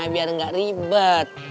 biar gak ribet